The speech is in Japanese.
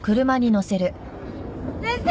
先生！